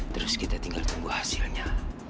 terus kita tinggal tunggu hasilnya